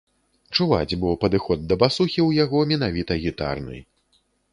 Чуваць, бо падыход да басухі ў яго менавіта гітарны.